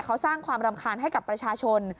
เขาสร้างความรำคาญให้กับประชาชน